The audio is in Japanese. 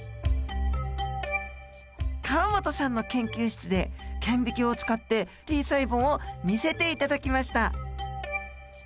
河本さんの研究室で顕微鏡を使ってＴ細胞を見せて頂きました。